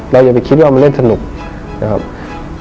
อย่าไปคิดว่ามันเล่นสนุกนะครับ